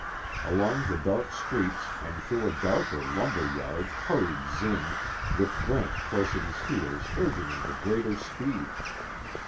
Along the dark streets, and through a darker lumber yard, hurried Zinn, with Brent close at his heels urging him to greater speed.